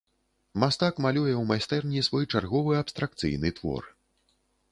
Мастак малюе ў майстэрні свой чарговы абстракцыйны твор.